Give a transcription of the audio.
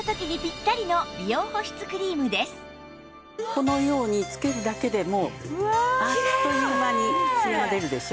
このようにつけるだけでもうあっという間にツヤが出るでしょ？